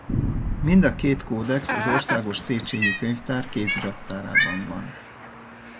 Mind a két codex az Országos Széchényi Könyvtár kézirattárában van.